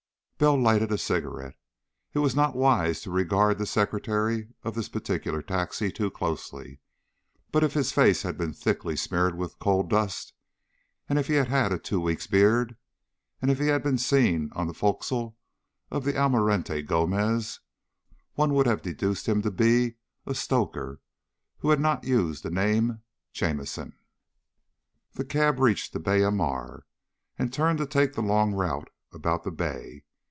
Bell lighted a cigarette. It was not wise to regard the secretary of this particular taxi too closely, but if his face had been thickly smeared with coal dust, and if he had had a two weeks' beard, and if he had been seen on the forecastle of the Almirante Gomez, one would have deduced him to be a stoker who had not used the name of Jamison. The cab reached the Beira Mar, and turned to take the long route about the bay.